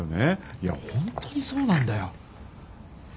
いや本当にそうなんだよ。